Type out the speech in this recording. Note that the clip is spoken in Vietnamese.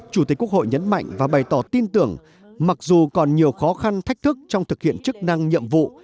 chủ tịch quốc hội nhấn mạnh và bày tỏ tin tưởng mặc dù còn nhiều khó khăn thách thức trong thực hiện chức năng nhiệm vụ